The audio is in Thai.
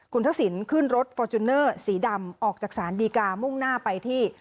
คุณทักษิณขึ้นรถฟอร์จูเนอร์สีดำออกจากศาลดีกามุ่งหน้าไปที่